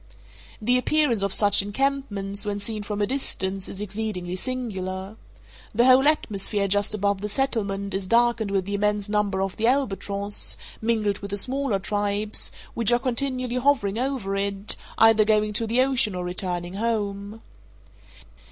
The appearance of such encampments, when seen from a distance, is exceedingly singular. The whole atmosphere just above the settlement is darkened with the immense number of the albatross (mingled with the smaller tribes) which are continually hovering over it, either going to the ocean or returning home.